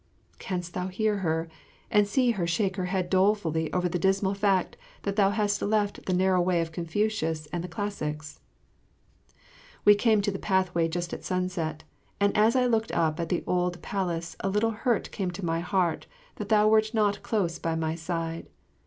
Canst thou hear her, and see her shake her head dolefully over the dismal fact that thou hast left the narrow way of Confucius and the classics? We came to the pathway just at sunset, and as I looked up at the old palace a little hurt came to my heart that thou wert not close by my side.